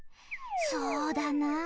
そうだなぁ。